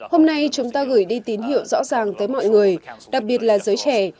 hôm nay chúng ta gửi đi tín hiệu rõ ràng tới mọi người đặc biệt là giới trẻ